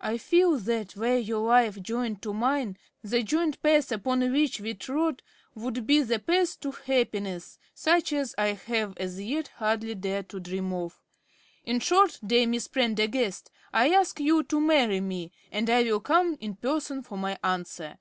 I feel that, were your life joined to mine, the joint path upon which we trod would be the path to happiness, such as I have as yet hardly dared to dream of. In short, dear Miss Prendergast, I ask you to marry me, and I will come in person for my answer.